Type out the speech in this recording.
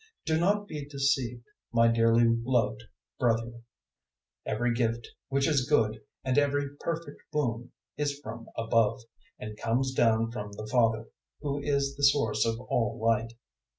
001:016 Do not be deceived, my dearly loved brethren. 001:017 Every gift which is good, and every perfect boon, is from above, and comes down from the Father, who is the source of all Light.